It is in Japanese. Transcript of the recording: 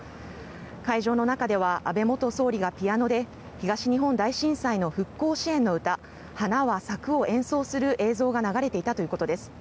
会場の中では安倍元総理がピアノで東日本大震災の復興支援の歌「花は咲く」を演奏する映像が流れていたということです。